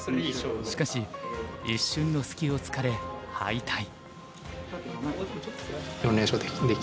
しかし一瞬の隙をつかれ敗退。